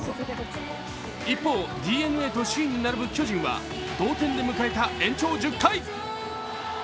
一方、ＤｅＮＡと首位に並ぶ巨人は、同点で迎えた延長１０回。